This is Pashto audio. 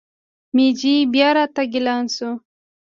مېجي بیا راتګ اعلان شو.